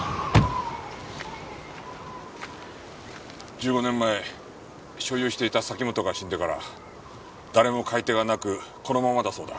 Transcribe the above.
１５年前所有していた崎本が死んでから誰も買い手がなくこのままだそうだ。